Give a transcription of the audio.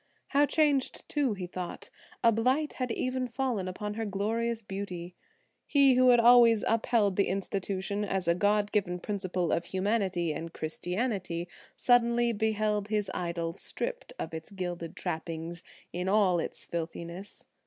How changed, too, he thought, a blight had even fallen upon her glorious beauty. He who had always upheld the institution as a God given principle of humanity and Christianity, suddenly beheld his idol, stripped of its gilded trappings, in all its filthiness.